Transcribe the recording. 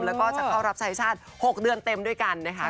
แล้วก็จะเข้ารับชายชาติ๖เดือนเต็มด้วยกันนะคะ